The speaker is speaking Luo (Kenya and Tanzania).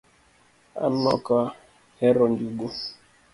An okahero njugu